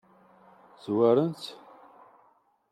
Zwarent-tt?